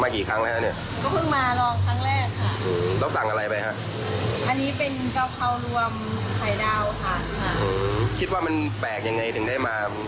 คิดว่าน่าสนใจอย่างนี้